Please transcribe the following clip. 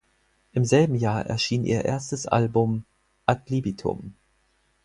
Im selben Jahr erschien ihr erstes Album "Ad libitum".